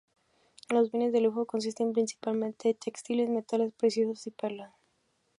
Los bienes de lujo consisten principalmente de textiles, metales preciosos y perlas.